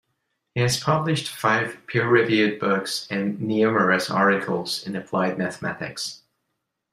He has published five peer-reviewed books and numerous articles in applied mathematics.